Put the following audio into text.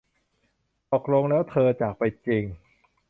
ตกลงแล้วเธอจากไปจริง